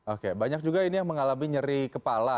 oke banyak juga ini yang mengalami nyeri kepala